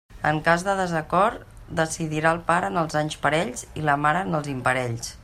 En cas de desacord, decidirà el pare en els anys parells i la mare en els imparells.